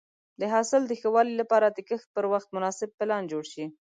د حاصل د ښه والي لپاره د کښت پر وخت مناسب پلان جوړ شي.